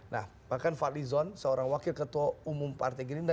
nah bahkan fadli zon seorang wakil ketua umum partai gerindra